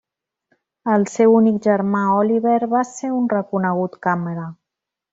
El seu únic germà, Oliver, va ser un reconegut càmera.